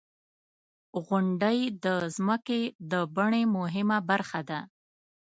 • غونډۍ د ځمکې د بڼې مهمه برخه ده.